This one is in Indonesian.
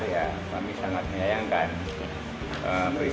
ya kami sangat menyayangkan peristiwa seperti itu